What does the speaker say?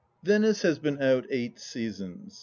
Venice has been out eight seasons.